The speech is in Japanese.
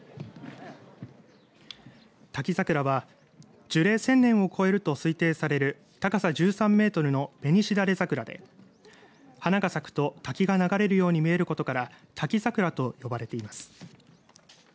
滝桜は樹齢１０００年を超えると推定される高さ１３メートルのベニシダレザクラで花が咲くと滝が流れるように見えることから滝桜と呼ばれています。